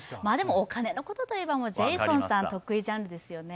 お金のことといえばジェイソンさん得意ですよね。